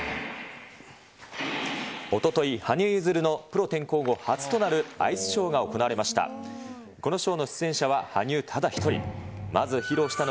おととい、羽生結弦のプロ転向後、初となるアイスショーが行われました。